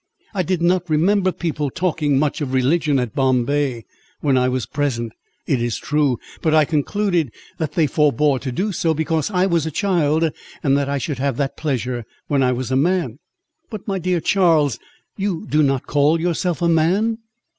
I did not remember people talking much of religion at Bombay, when I was present, it is true; but I concluded that they forbore to do so, because I was a child, and that I should have that pleasure when I was a man." "But, my dear Charles, you do not call yourself a man?"